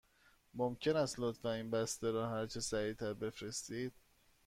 ممکن است لطفاً این بسته را هرچه سریع تر بفرستید؟